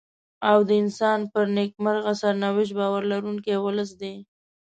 او د انسان پر نېکمرغه سرنوشت باور لرونکی ولس دی.